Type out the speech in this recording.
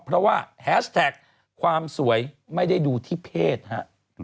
เพราะว่าแฮชแท็กความสวยไม่ได้ดูที่เพศฮะ